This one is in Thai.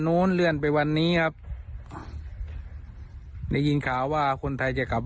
นู้นเลื่อนไปวันนี้ครับได้ยินข่าวว่าคนไทยจะกลับ